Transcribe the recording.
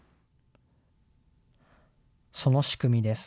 その仕組みです。